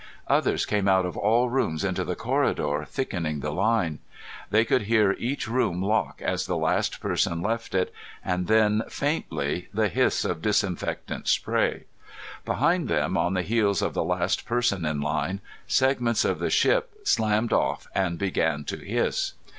Others came out of all rooms into the corridor, thickening the line. They could hear each room lock as the last person left it, and then, faintly, the hiss of disinfectant spray. Behind them, on the heels of the last person in line, segments of the ship slammed off and began to hiss.